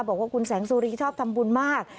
บอกว่าคุณแสงสุรีชอบทำบุญมาก